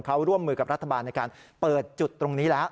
เขาร่วมมือกับรัฐบาลในการเปิดจุดตรงนี้แล้ว